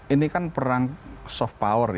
ini kan perang soft power ya